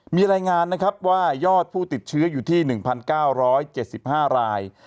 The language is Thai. มีรายงานนะครับว่ายอดผู้ติดเชื้ออยู่ที่๑๙๗๕ราย